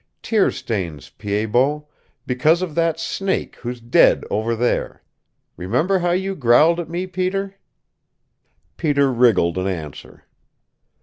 Tear stains, Pied Bot because of that snake who's dead over there. Remember how you growled at me, Peter?" Peter wriggled an answer.